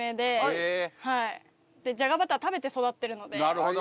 なるほど。